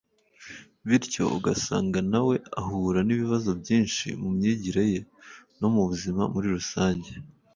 bityo ugasanga nawe ahura n’ibibazo byinshi mu myigire ye no mu buzima muri rusange